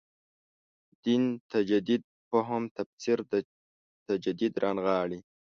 دین تجدید فهم تفسیر تجدید رانغاړي.